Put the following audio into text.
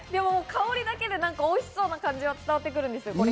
香りだけで、おいしそうな感じは伝わってくるんです。